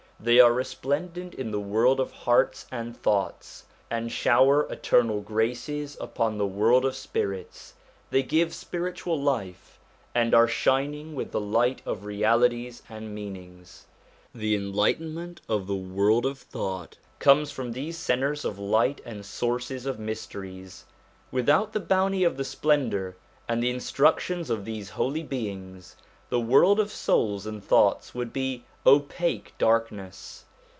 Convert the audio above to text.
They are resplendent in the world of hearts and thoughts, and shower eternal graces upon the world of spirits ; they give spiritual life, and are shining with the light of realities and meanings. The enlightenment of the 186 186 SOME ANSWERED QUESTIONS world of thought comes from these centres of light and sources of mysteries. Without the bounty of the splendour, and the instructions of these Holy Beings, the world of souls and thoughts would be opaque darkness.